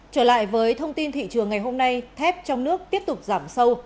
trở lại với thông tin thị trường ngày hôm nay thép trong nước tiếp tục giảm sâu